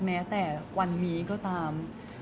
แม้แต่วันนี้ก็ตาม